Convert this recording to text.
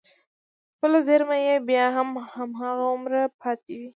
خپله زېرمه يې بيا هم هماغومره پاتې وي.